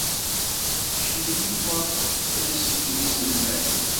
Iḥemmel Yuba ad d-iṣeyyed iselman.